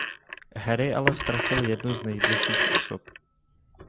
Harry ale ztratil jednu z nejbližších osob.